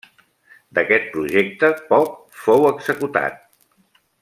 D'aquest projecte poc fou executat.